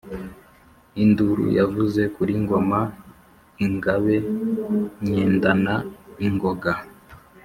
Induru yavuze kuli Ngoma ingabe nyendana ingoga.